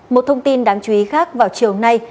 một thông tin đáng chú ý khác vào chiều nay